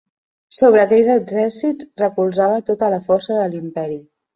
Sobre aquells exèrcits recolzava tota la força de l'imperi.